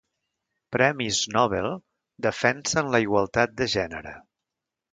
Premis Nobel defensen la igualtat de gènere